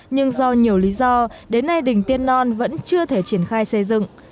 nhưng do nhiều lý do đến nay đình tiên non vẫn chưa thể triển khai xây dựng